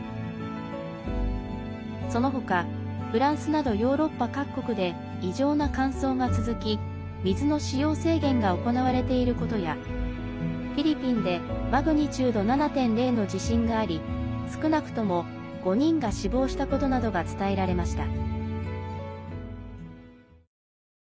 そのほか、フランスなどヨーロッパ各国で異常な乾燥が続き水の使用制限が行われていることやフィリピンでマグニチュード７．０の地震があり少なくとも５人が死亡したことなどが伝えられました。